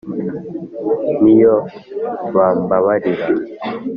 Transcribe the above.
N'iyo bampabarira